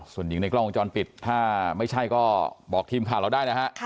ส่วนหญิงในกล้องวงจรปิดถ้าไม่ใช่ก็บอกทีมข่าวเราได้นะฮะ